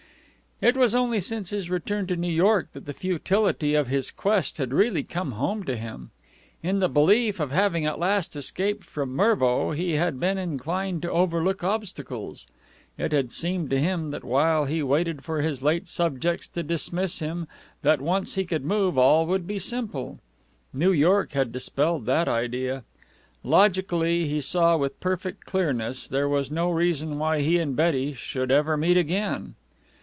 It was only since his return to New York that the futility of his quest had really come home to him. In the belief of having at last escaped from Mervo he had been inclined to overlook obstacles. It had seemed to him, while he waited for his late subjects to dismiss him, that, once he could move, all would be simple. New York had dispelled that idea. Logically, he saw with perfect clearness, there was no reason why he and Betty should ever meet again.